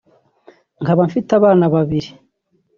nkaba mfite abana babiri